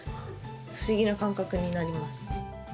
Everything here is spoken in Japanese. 不思議な感覚になります。